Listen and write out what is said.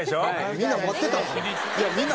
みんな待ってたんかな？